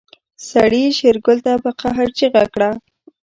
سړي شېرګل ته په قهر چيغه کړه.